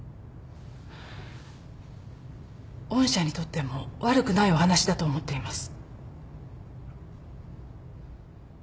御社にとっても悪くないお話だと思っています。